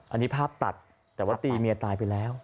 อันนี้ภาพตัดแต่ว่าตีเมียตายไปแล้ว